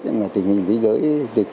tình hình thế giới dịch